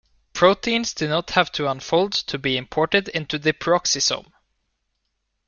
Proteins do not have to unfold to be imported into the peroxisome.